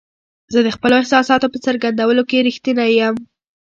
زه د خپلو احساساتو په څرګندولو کې رښتینی یم.